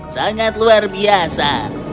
sangat luar biasa